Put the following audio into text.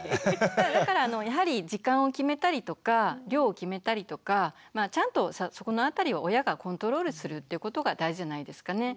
だからやはり時間を決めたりとか量を決めたりとかちゃんとそこのあたりを親がコントロールするということが大事じゃないですかね。